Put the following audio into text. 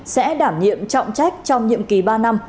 sẽ đảm nhiệm trọng trách trong nhiệm kỳ ba năm